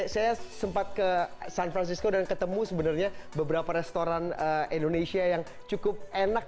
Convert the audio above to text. saya sempat ke san francisco dan ketemu sebenarnya beberapa restoran indonesia yang cukup enak